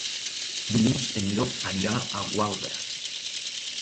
Dilluns en Llop anirà a Gualba.